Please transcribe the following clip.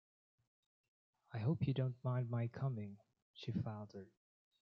“I hope you don’t mind my coming,” she faltered.